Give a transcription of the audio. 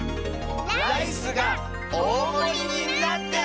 ライスがおおもりになってる！